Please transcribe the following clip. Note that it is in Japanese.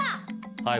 はい。